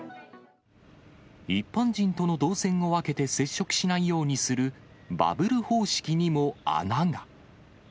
一般人との動線を分けて接触しないようにするバブル方式にも穴が。